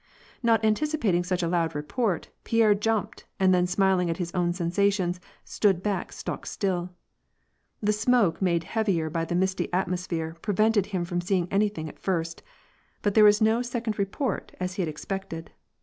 Not anticipating such a loud report, Pierre jumped and then smiling at his own sensations, stood stock still. The smoke, made heavier by the misty atmosphere, prevented him from seeing anything at first ; but there was no second report as he had expected.